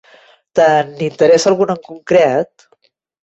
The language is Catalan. Te n'interessa algun en concret?